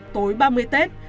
tối ba mươi tết